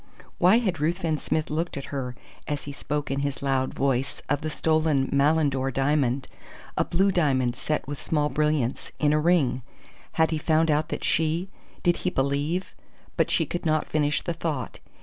Why had Ruthven Smith looked at her, as he spoke in his loud voice of the stolen Malindore diamond a blue diamond set with small brilliants, in a ring? Had he found out that she did he believe but she could not finish the thought.